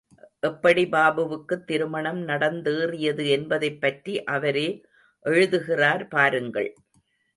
எப்படி பாபுவுக்குத் திருமணம் நடந்தேறியது என்பதைப் பற்றி அவரே எழுதுகிறார் பாருங்கள்.